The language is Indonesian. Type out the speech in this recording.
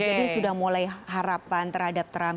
jadi sudah mulai harapan terhadap trump